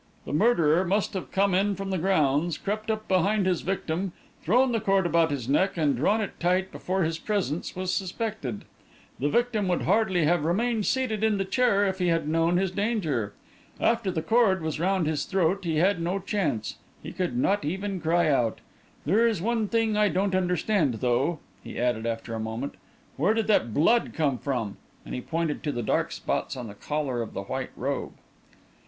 The murderer must have come in from the grounds, crept up behind his victim, thrown the cord about his neck and drawn it tight before his presence was suspected. The victim would hardly have remained seated in the chair if he had known his danger. After the cord was round his throat, he had no chance he could not even cry out. There's one thing I don't understand, though," he added, after a moment. "Where did that blood come from?" and he pointed to the dark spots on the collar of the white robe.